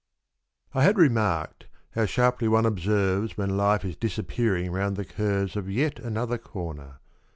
I HAD remarked— how sharply one observes When life is disappearing round the curves Of yet another corner